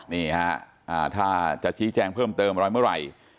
นี่ฮะถ้าจะชี้แจงเพิ่มเติมอะไรเมื่อไหร่